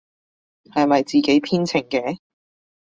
係咪自己編程嘅？